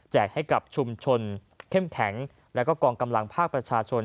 ให้กับชุมชนเข้มแข็งแล้วก็กองกำลังภาคประชาชน